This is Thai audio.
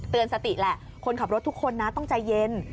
สติแหละคนขับรถทุกคนนะต้องใจเย็น